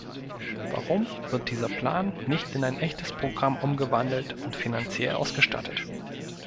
Warum wird dieser Plan nicht in ein echtes Programm umgewandelt und finanziell ausgestattet?